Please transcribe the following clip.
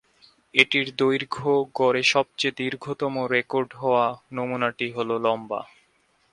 এটির দৈর্ঘ্য গড়ে সবচেয়ে দীর্ঘতম রেকর্ড হওয়া নমুনাটি হল লম্বা।